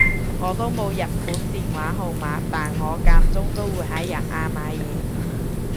我都冇日本電話號碼但我間中都會喺日亞買嘢